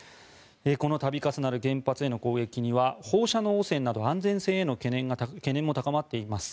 この度重なる原発への攻撃には放射能汚染など安全への懸念も高まっています。